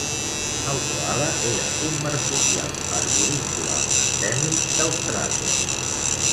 "El coala era un marsupial arborícola endèmic d'Austràlia."